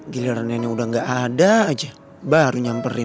gilar nenek udah gaada aja baru nyamperin